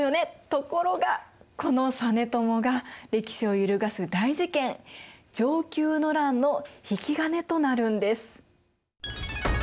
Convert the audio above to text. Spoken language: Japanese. ところがこの実朝が歴史を揺るがす大事件承久の乱の引き金となるんです。